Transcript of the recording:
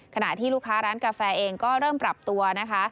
ขณะที่ลูกค้าร้านกาแฟเองก็เริ่มปรับตัวนะคะ